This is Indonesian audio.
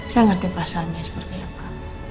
saya ngerti pasalnya seperti apa